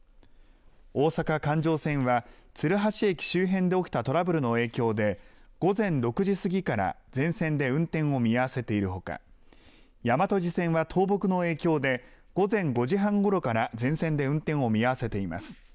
大阪環状線は鶴橋駅周辺で起きたトラブルの影響で午前６時過ぎから全線で運転を見合わせているほか大和路線は倒木の影響で午前５時半ごろから全線で運転を見合わせています。